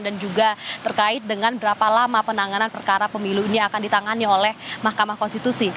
dan juga terkait dengan berapa lama penanganan perkara pemilu ini akan ditangani oleh mahkamah konstitusi